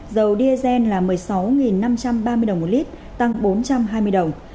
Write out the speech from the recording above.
dầu diesel là một mươi sáu năm trăm ba mươi đồng một lít tăng bốn trăm hai mươi đồng